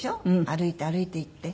歩いて歩いて行って。